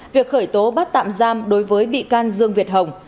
việc khởi tố bắt tạm giam đối với bị can dương việt hồng